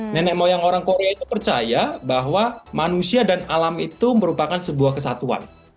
nenek moyang orang korea itu percaya bahwa manusia dan alam itu merupakan sebuah kesatuan